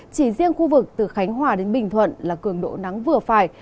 chỉ riêng khu vực từ khánh hòa đến bình thuận là cường độ nắng vừa phải